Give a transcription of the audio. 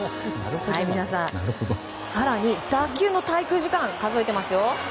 皆さん、更に打球の滞空時間数えてますよ。